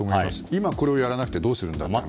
今やらなくてどうするんだと。